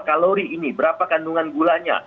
kalori ini berapa kandungan gulanya